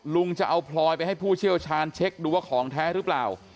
ลุงจะเอาพลอยไปให้ผู้เชี่ยวชาญเช็คดูว่าของแท้หรือเปล่า